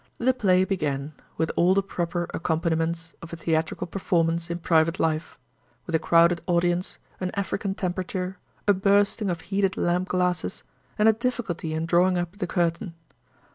The play began, with all the proper accompaniments of a theatrical performance in private life; with a crowded audience, an African temperature, a bursting of heated lamp glasses, and a difficulty in drawing up the curtain.